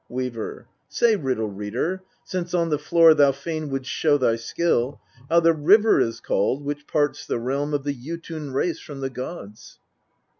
Weaver. 15. Say, Riddle reader ! since on the floor thou fain wouldst show thy skill, how the River is called which parts the realm of the Jotun race from the gods.